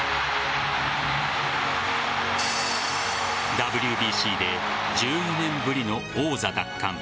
ＷＢＣで１４年ぶりの王座奪還。